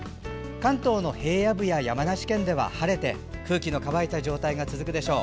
関東の平野部や山梨県では晴れて空気の乾いた状態が続くでしょう。